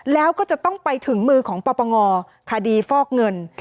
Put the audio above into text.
แล้วก็จะต้องไปถึงมือของปปงคดีฟอกเงิน